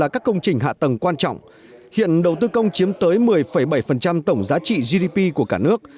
công chiếm tới một mươi bảy tổng giá trị gdp của cả nước